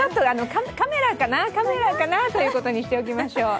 カメラかなということにしておきましょう。